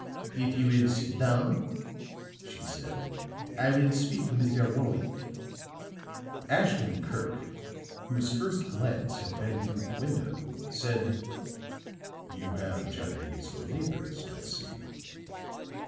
"If you will sit down," she said, "I will speak to Mr. Warwick." Ashton Kirk, whose first glance had been through the window, said: "You have Japanese for neighbors, I see."